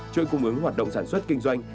chuyện cung ứng hoạt động sản xuất kinh doanh